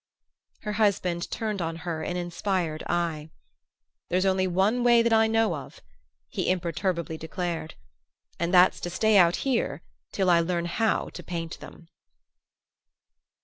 Her husband turned on her an inspired eye. "There's only one way that I know of," he imperturbably declared, "and that's to stay out here till I learn how to paint them."